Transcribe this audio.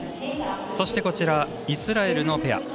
そして、イスラエルのペア。